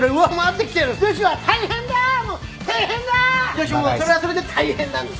女子もそれはそれで大変なんです。